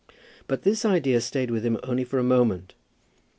But this idea stayed with him only for a moment.